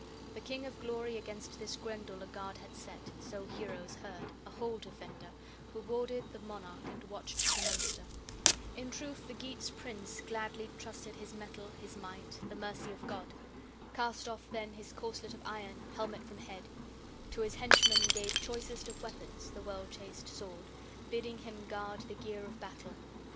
The King of Glory against this Grendel a guard had set, so heroes heard, a hall defender, who warded the monarch and watched for the monster. In truth, the Geats' prince gladly trusted his mettle, his might, the mercy of God! Cast off then his corselet of iron, helmet from head; to his henchman gave, choicest of weapons, the well chased sword, bidding him guard the gear of battle.